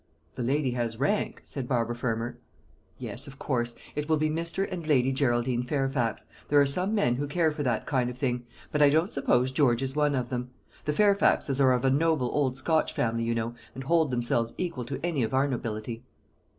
"The lady has rank," said Barbara Fermor. "Yes, of course. It will be Mr. and Lady Geraldine Fairfax. There are some men who care for that kind of thing; but I don't suppose George is one of them. The Fairfaxes are of a noble old Scotch family, you know, and hold themselves equal to any of our nobility."